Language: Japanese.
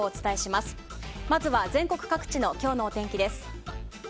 まずは、全国各地の今日のお天気です。